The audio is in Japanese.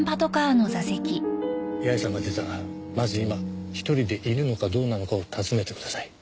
八重さんが出たらまず今一人でいるのかどうなのかを尋ねてください。